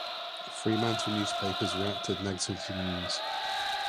Fremantle newspapers reacted negatively to the news.